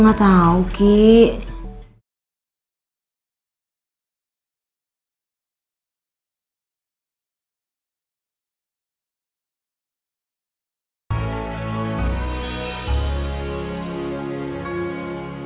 kakaknya udah kebun